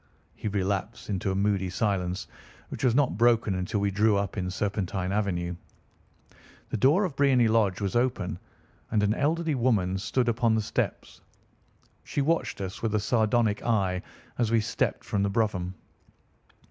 He relapsed into a moody silence, which was not broken until we drew up in Serpentine Avenue. The door of Briony Lodge was open, and an elderly woman stood upon the steps. She watched us with a sardonic eye as we stepped from the brougham.